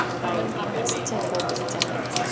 こんなちっちゃいフォークじゃないですか。